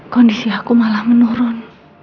kondisi aku malah menurun